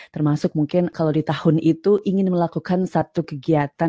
termasuk mungkin kalau di tahun itu ingin melakukan satu kegiatan